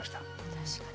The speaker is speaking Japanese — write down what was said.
確かに。